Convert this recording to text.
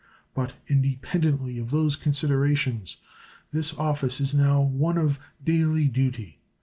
But independently of those considerations this office is now one of daily duty.